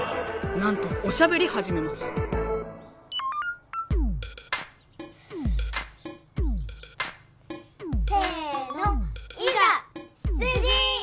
なんとおしゃべりはじめますせの「いざ出陣」！